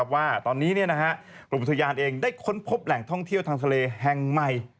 ว่าตอนนี้กรมอุทยานเองได้ค้นพบแหล่งท่องเที่ยวทางทะเลแห่งใหม่